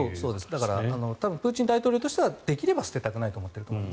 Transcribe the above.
だからプーチン大統領としてはできれば捨てたくないと思っていると。